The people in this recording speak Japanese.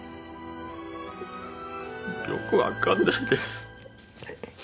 よくわかんないです。